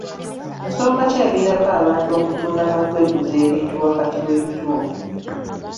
Nsonga ki eviirako abantu okutunda n'okweguza ebintu wakati w'ebitundu?